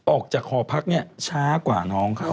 ออกจากหอพักเนี่ยช้ากว่าน้องเขา